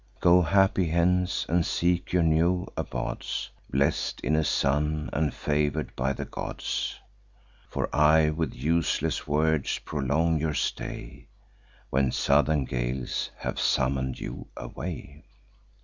Go happy hence, and seek your new abodes, Blest in a son, and favour'd by the gods: For I with useless words prolong your stay, When southern gales have summon'd you away.